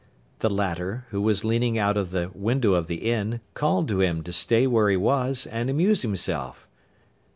The latter, who was leaning out of the window of the inn, called to him to stay where he was and amuse himself.